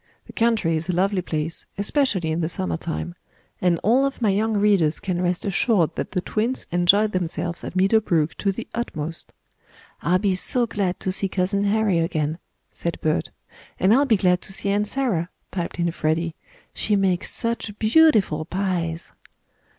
The country is a lovely place, especially in the summer time, and all of my young readers can rest assured that the twins enjoyed themselves at Meadow Brook to the utmost. "I'll be so glad to see Cousin Harry again," said Bert. "And I'll be glad to see Aunt Sarah," piped in Freddie. "She makes such _beau_tiful pies!"